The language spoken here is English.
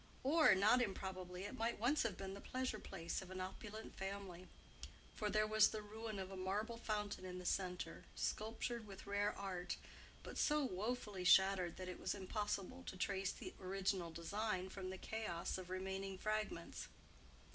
Or, not improbably, it might once have been the pleasure place of an opulent family; for there was the ruin of a marble fountain in the centre, sculptured with rare art, but so wofully shattered that it was impossible to trace the original design from the chaos of remaining fragments.